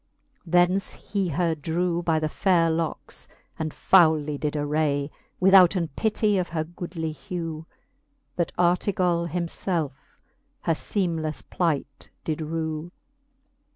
Thence he her drevy By the faire lockes, and fowly did array, Withouten pitty of her goodly hew, That Artegall him felfe her feemleiTe plight did rew.